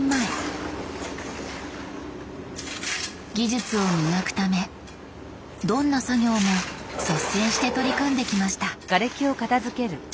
技術を磨くためどんな作業も率先して取り組んできました。